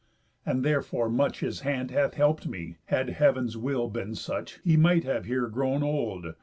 And therefore much His hand had help'd me, had Heav'n's will been such, He might have here grown old.